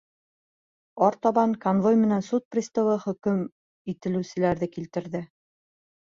Артабан конвой менән суд приставы хөкөм ителеүсене килтерҙе.